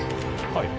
はい